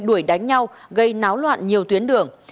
đuổi đánh nhau gây náo loạn nhiều tuyến đường